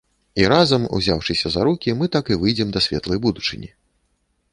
І разам, узяўшыся за рукі, мы так і выйдзем да светлай будучыні.